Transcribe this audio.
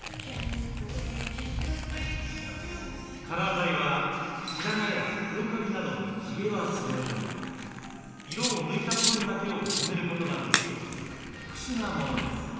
カラー剤は白髪や黒髪などの地毛は染めずに色を抜いた部分だけを染めることができる特殊なものです。